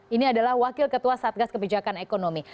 ini adalah wakil ketua satgas kebijakan ekonomi